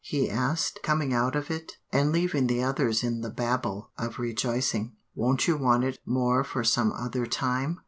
he asked, coming out of it, and leaving the others in the babel of rejoicing. "Won't you want it more for some other time?"